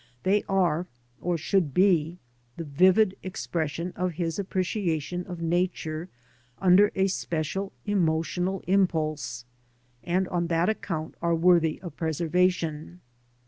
They are, or should be, the vivid expression of his appreciation of Nature under a special emotional impulse, and on that account are worthy of preservation.